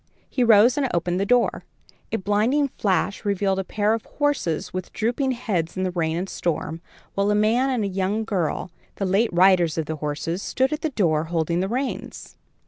He rose and opened the door. A blinding flash revealed a pair of horses with drooping heads in the rain and storm, while a man and young girl, the late riders of the horses, stood at the door holding the reins.